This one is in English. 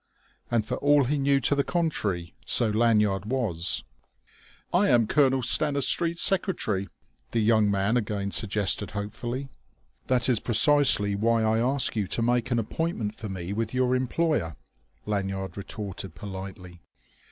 And for all he knew to the contrary, so Lanyard was. "I am Colonel Stanistreet's secretary," the young man again suggested hopefully. "That is precisely why I ask you to make an appointment for me with your employer," Lanyard retorted politely.